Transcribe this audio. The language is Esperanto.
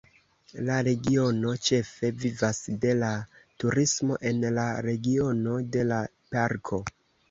La regiono ĉefe vivas de la turismo en la regiono de la parko.